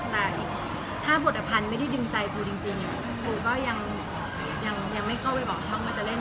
แต่ถ้าบทภัณฑ์ไม่ได้ดึงใจปูจริงปูก็ยังไม่เข้าไปบอกช่องว่าจะเล่น